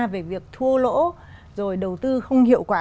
về việc thua lỗ rồi đầu tư không hiệu quả